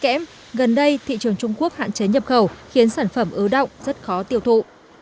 kém gần đây thị trường trung quốc hạn chế nhập khẩu khiến sản phẩm ứ động rất khó tiêu thụ